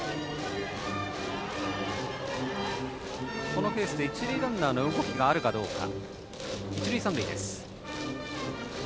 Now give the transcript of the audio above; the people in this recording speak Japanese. このケースで一塁ランナーの動きがあるかどうか。